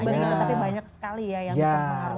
tapi banyak sekali ya yang bisa menghargai